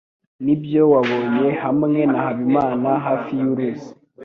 Nibyo wabonye hamwe na Habimana hafi yuruzi?